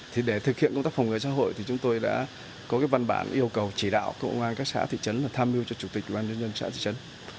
thì để thực hiện công tác phòng ngừa xã hội thì chúng tôi đã có cái văn bản yêu cầu chỉ đạo công an các xã thị trấn là tham mưu cho chủ tịch công an nhân dân xã thị trấn